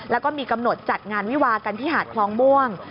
แล้วก็มีกำหนดจัดงานวิวากันที่หาดคลองม่วง